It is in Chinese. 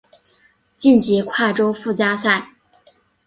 晋级跨洲附加赛。